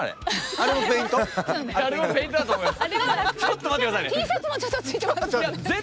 あれもペイントだと思います。